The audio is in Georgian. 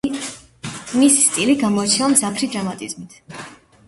მისი სტილი გამოირჩევა მძაფრი დრამატიზმით.